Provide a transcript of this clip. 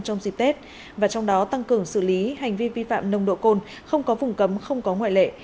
trong dịp tết và trong đó tăng cường xử lý hành vi vi phạm nồng độ cồn không có vùng cấm không có ngoại lệ